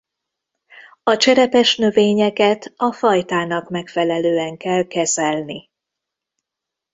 A cserepes növényeket a fajtának megfelelően kell kezelni.